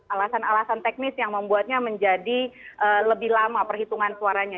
alasan alasan teknis yang membuatnya menjadi lebih lama perhitungan suaranya